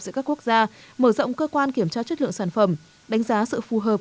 giữa các quốc gia mở rộng cơ quan kiểm tra chất lượng sản phẩm đánh giá sự phù hợp